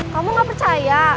kamu gak percaya